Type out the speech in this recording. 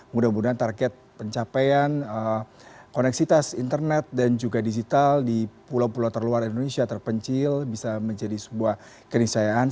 mudah mudahan target pencapaian koneksitas internet dan juga digital di pulau pulau terluar indonesia terpencil bisa menjadi sebuah kenisayaan